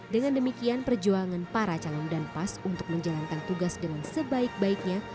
dengan demikian perjuangan para calon dan pas untuk menjalankan tugas dengan sebaik baiknya